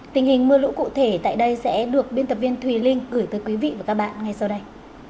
tình hình mưa lũ cụ thể tại đây sẽ được biên tập viên thùy linh gửi tới quý vị và các bạn ngay sau đây